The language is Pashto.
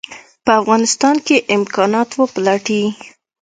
په افغانستان کې امکانات وپلټي.